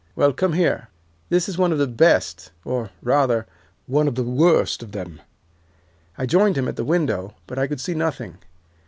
'Well, come here. This is one of the best, or, rather, one of the worst, of them.' I joined him at the window, but I could see nothing.